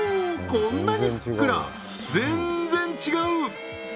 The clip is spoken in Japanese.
こんなにふっくら全然違う！